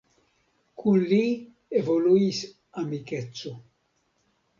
Kun li evoluis amikeco.